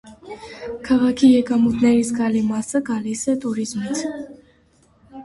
Քաղաքի եկամուտների զգալի մասը գալիս է տուրիզմից։